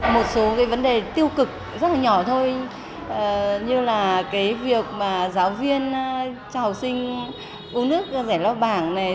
một số vấn đề tiêu cực rất là nhỏ thôi như là cái việc giáo viên cho học sinh uống nước rẻ lo bảng này